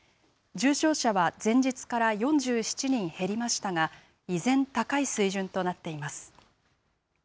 重症者は前日から４７人減りましたが、依然、高い水準となっています。